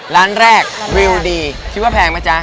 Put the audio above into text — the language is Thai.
ร้านแรกวิวดีคิดว่าแพงไหมจ๊ะ